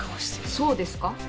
そうですか？